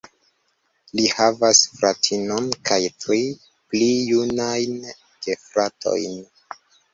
Li havas fratinon kaj tri pli junajn gefratojn.